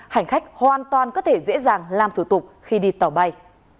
hành khách hoàn toàn có thể dễ dàng làm thủ tục khi đi tàu bay